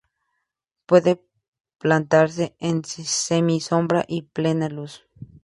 Puede plantarse en semi-sombra y plena luz.